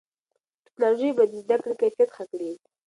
ټیکنالوژي به د زده کړې کیفیت ښه کړي.